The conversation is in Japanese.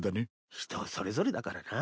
人それぞれだからなぁ。